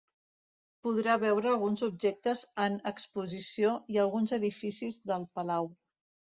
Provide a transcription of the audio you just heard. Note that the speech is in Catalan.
Podrà veure alguns objectes en exposició i alguns edificis del palau.